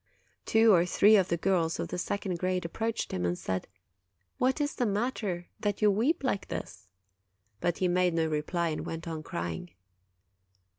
Two or three of the girls of the second grade approached him and said, "What is the matter, that you weep like this?" But he made no reply, and went on crying.